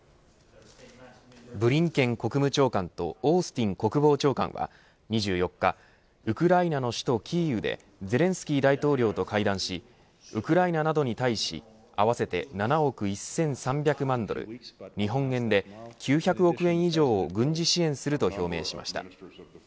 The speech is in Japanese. ブリンケン国務長官とオースティン国防長官は２４日ウクライナの首都キーウでゼレンスキー大統領と会談しウクライナなどに対し合わせて７億１３００万ドル日本円で９００億円以上を軍事支援すると表明しました。